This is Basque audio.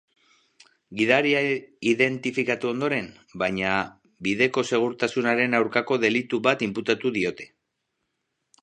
Gidaria identifikatu ondoren, baina, bideko segurtasunaren aurkako delitu bat inputatu diote.